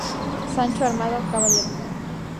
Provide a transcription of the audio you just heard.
X.- Sancho armado caballero.